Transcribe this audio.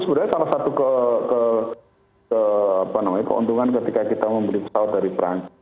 sebenarnya salah satu keuntungan ketika kita membeli pesawat dari perancis